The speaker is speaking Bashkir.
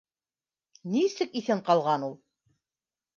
Нисек иҫән ҡалған ул